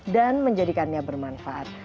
dan menjadikannya bermanfaat